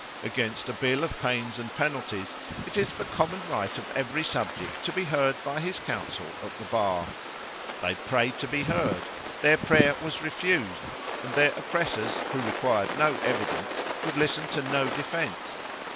Against a bill of pains and penalties, it is the common right of every subject to be heard by his counsel at the bar. They prayed to be heard. Their prayer was refused, and their oppressors, who required no evidence, would listen to no defence.